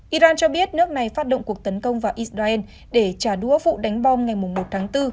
iran cho biết nước này phát động cuộc tấn công vào israel để trả đũa vụ đánh bom ngày một tháng bốn